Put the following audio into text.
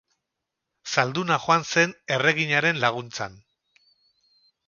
Zalduna joan zen erreginaren laguntzan.